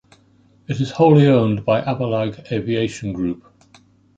It is wholly owned by Abelag Aviation Group.